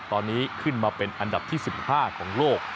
ตอนนี้ขึ้นมาเป็นอันดับที่๑๕ของโลก